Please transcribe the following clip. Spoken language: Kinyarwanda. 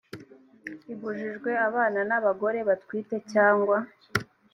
ibujijwe abana n abagore batwite cyangwa